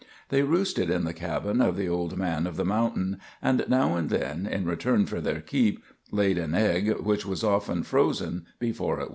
They roosted in the cabin of the old man of the mountain, and now and then, in return for their keep, laid an egg, which was often frozen before it was found.